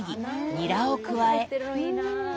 ニラを加え。